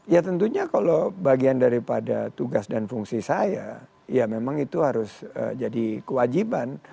ya tentunya kalau bagian daripada tugas dan fungsi saya ya memang itu harus jadi kewajiban